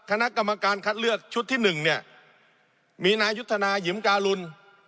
คณะกรรมการคัดเลือกชุดที่หนึ่งเนี่ยมีนายุทธนายิมการุล